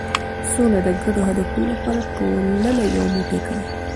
سوله د ګډو هدفونو لپاره ټولنه یو موټی کوي.